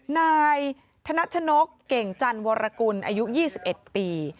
นายธนชนกเก่งจันวรกุลอายุ๒๑ปี